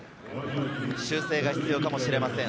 修正が必要かもしれません。